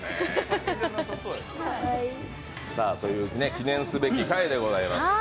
記念すべき回でございます。